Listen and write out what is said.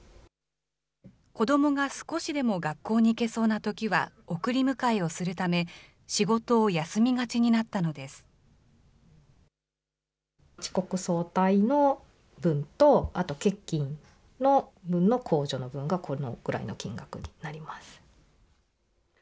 子どもが少しでも学校に行けそうなときは送り迎えをするため、遅刻早退の分と、あと欠勤の分の控除の分がこのくらいの金額になります。